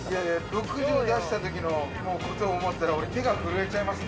６０出したときのことを思ったら俺手が震えちゃいます。